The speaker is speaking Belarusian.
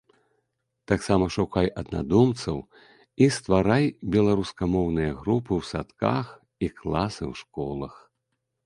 Таксама шукай аднадумцаў і стварай беларускамоўныя групы ў садках і класы ў школах.